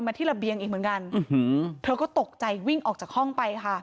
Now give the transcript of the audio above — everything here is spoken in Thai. ที่ระเบียงอีกเหมือนกันเธอก็ตกใจวิ่งออกจากห้องไปค่ะ